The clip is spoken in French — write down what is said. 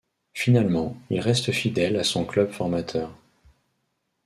Finalement, il reste fidèle à son club formateur.